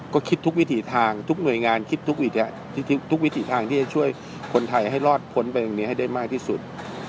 ก็คิดทุกวิถีทางทุกหน่วยงานคิดทุกวิถีทางที่จะช่วยคนไทยให้รอดพ้นไปตรงนี้ให้ได้มากที่สุด